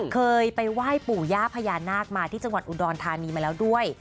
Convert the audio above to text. เคยไปไหว้ปู่ย่าพญานาคมาที่จังหวัดอุดรธานีมาแล้วด้วย